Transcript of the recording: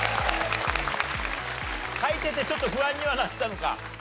書いててちょっと不安にはなったのか？